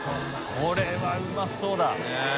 これはうまそうだ。